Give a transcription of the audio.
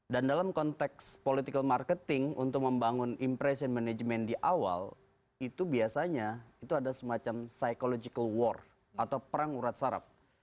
dan dalam konteks political marketing untuk membangun impression management di awal itu biasanya itu ada semacam psychological war atau perang urat sarap